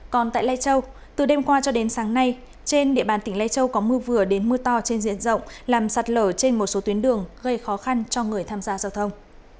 còn tại lai châu từ đêm qua cho đến sáng nay trên địa bàn tỉnh lê châu có mưa vừa đến mưa to trên diện rộng làm sạt lở trên một số tuyến đường gây khó khăn cho người tham gia giao thông